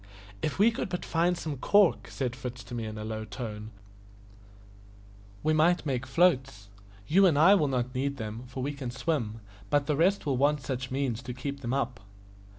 "If we could but find some cork," said Fritz to me in a low tone, "we might make floats. You and I will not need them, for we can swim, but the rest will want some such means to keep them up."